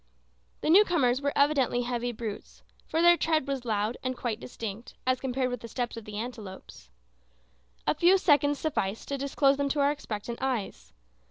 The newcomers were evidently heavy brutes, for their tread was loud and quite distinct, as compared with the steps of the antelopes. A few seconds sufficed to disclose them to our expectant eyes.